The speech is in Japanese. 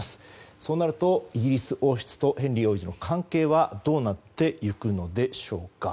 そうなるとイギリス王室とヘンリー王子の関係はどうなっていくのでしょうか。